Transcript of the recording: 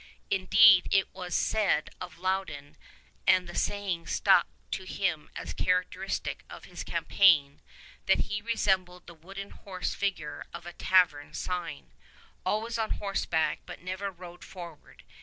Indeed, it was said of Loudon, and the saying stuck to him as characteristic of his campaign, that he resembled the wooden horse figure of a tavern sign, always on horseback but never rode forward.